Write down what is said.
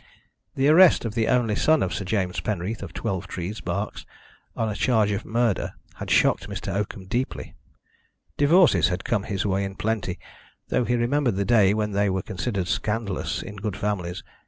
The arrest of the only son of Sir James Penreath, of Twelvetrees, Berks, on a charge of murder, had shocked Mr. Oakham deeply. Divorces had come his way in plenty, though he remembered the day when they were considered scandalous in good families.